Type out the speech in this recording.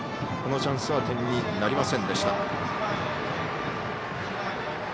このチャンスは点になりませんでした。